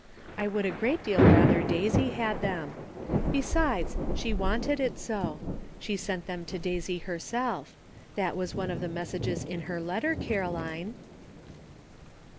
I would a great deal rather Daisy had them. Besides, she wanted it so. She sent them to Daisy herself. That was one of the messages in her letter, Caroline."